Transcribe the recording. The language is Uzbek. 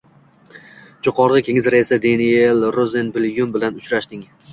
Jo‘qorg‘i Kenges raisi Deniyel Rozenblyum bilan uchrashding